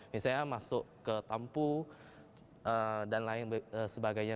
misalnya masuk ke tampu dan lain sebagainya